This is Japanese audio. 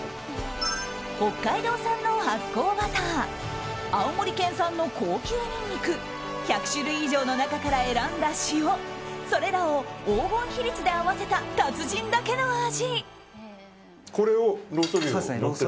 北海道産の発酵バター青森県産の高級ニンニク１００種類以上の中から選んだ塩それらを黄金比率で合わせた達人だけの味。